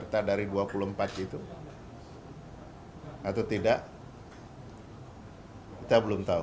tidak kita belum tahu